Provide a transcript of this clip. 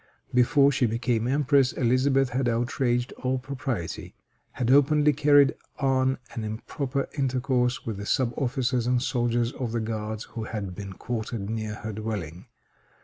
Before she became empress, Elizabeth had outraged all propriety; had openly carried on an improper intercourse with the sub officers and soldiers of the guards who had been quartered near her dwelling.